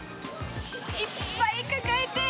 いっぱい抱えて。